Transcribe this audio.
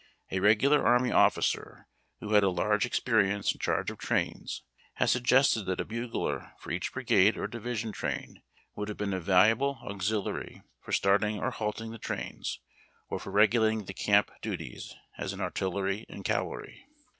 A regular army officer, who had a large experience in charge of trains, has suggested that a bugler for each bri gade or division train would have been a valuable auxiliary ARMY WAGON TRAINS. 369 for starting or halting tlie trains, or for regulating the camp duties as in artillery and cavalry.